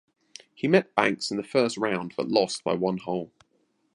He met Banks in the first round but lost by one hole.